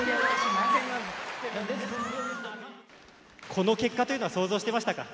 この結果というのは想像してましたか？